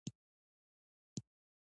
متن په عام ډول پر دوو برخو وېشل سوی.